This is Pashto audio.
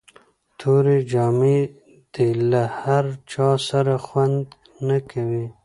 توري جامي د له هر چا سره خوند نه کوي.